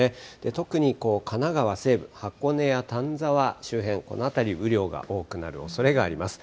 特に神奈川西部、箱根やたんざわ周辺、この辺り、雨量が多くなるおそれがあります。